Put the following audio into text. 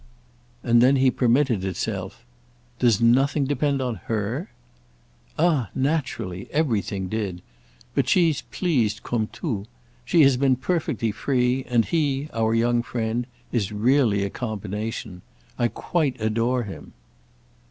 And then he permitted himself: "Does nothing depend on her?" "Ah naturally; everything did. But she's pleased comme tout. She has been perfectly free; and he—our young friend—is really a combination. I quite adore him."